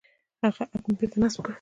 هغه اپ مې بېرته نصب کړ.